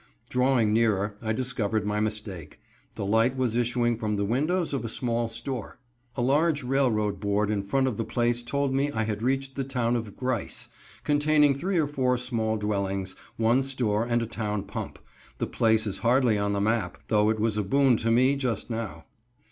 Drawing nearer, I discovered my mistake. The light was issuing from the windows of a small store. A large railroad board in front of the place told me I had reached the town of Grice containing three or four small dwellings, one store and a town pump; the place is hardly on the map, though it was a boon to me just now.